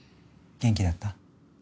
元気だった？